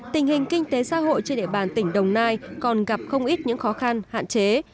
tình hình kinh tế xã hội trên địa bàn tỉnh đồng nai còn gặp không ít những khó khăn hạn chế